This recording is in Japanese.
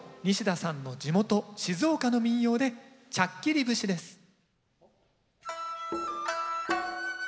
西田さんの地元静岡の民謡で「ちゃっきり節」です。